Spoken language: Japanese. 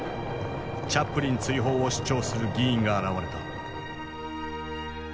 チャップリン追放を主張する議員が現れた。